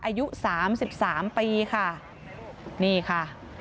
อายุสามสิบสามปีค่ะนี่ค่ะ